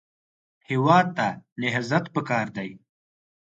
هېواد ته نهضت پکار دی